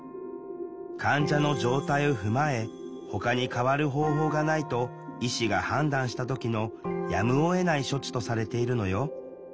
患者の状態を踏まえほかに代わる方法がないと医師が判断した時のやむをえない処置とされているのよ